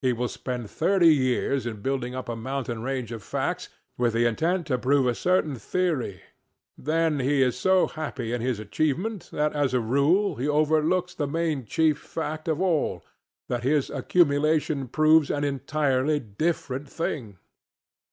He will spend thirty years in building up a mountain range of facts with the intent to prove a certain theory; then he is so happy in his achievement that as a rule he overlooks the main chief fact of allŌĆöthat his accumulation proves an entirely different thing.